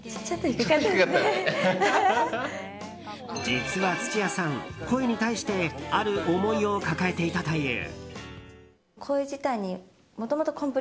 実は土屋さん、声に対してある思いを抱えていたという。